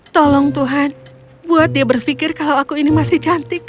tolong tuhan buat dia berpikir kalau aku ini masih cantik